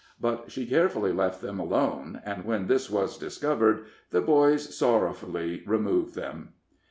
But she carefully left them alone, and when this was discovered the boys sorrowfully removed them.